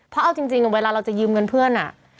เพราะเอาจริงเวลาเราจะยืมเงินเพื่อน